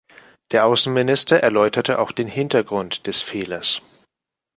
Der Außenminister erläuterte auch den Hintergrund des Fehlers.